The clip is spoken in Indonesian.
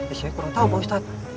eh saya kurang tahu pak ustadz